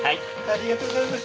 ありがとうございます。